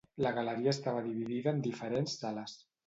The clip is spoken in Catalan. La galeria estava dividida en diferents sales.